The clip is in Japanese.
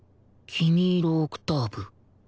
『君色オクターブ』